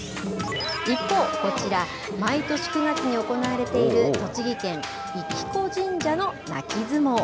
一方、こちら、毎年９月に行われている栃木県、生子神社の泣き相撲。